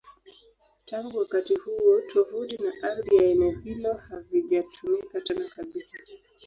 Tangu wakati huo, tovuti na ardhi ya eneo hilo havijatumika tena kabisa.